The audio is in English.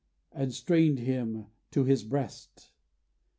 and strained him to his breast.